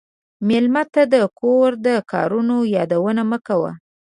مېلمه ته د کور د کارونو یادونه مه کوه.